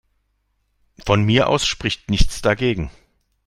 Von mir aus spricht nichts dagegen.